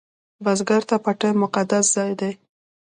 بزګر ته پټی مقدس ځای دی